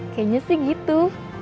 kayaknya sih gitu